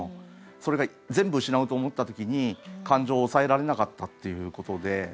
それが全部失うと思った時に感情を抑えられなかったっていうことで。